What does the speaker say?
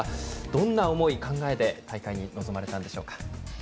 どんな思い、考えで大会に臨まれたんでしょうか？